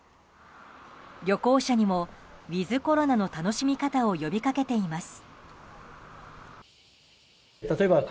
旅行者にもウィズコロナの楽しみ方を呼び掛けています。